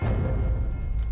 kau tidak akan menang